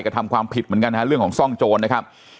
กระทำความผิดเหมือนกันนะฮะเรื่องของซ่องโจรนะครับ